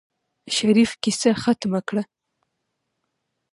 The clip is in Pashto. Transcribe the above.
شريف کيسه ختمه کړه.